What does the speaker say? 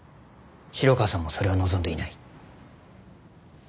城川さんもそれを望んでいない。